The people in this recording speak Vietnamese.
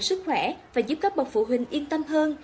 sức khỏe và giúp các bậc phụ huynh yên tâm hơn